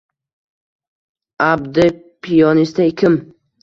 Abdi piyonista kim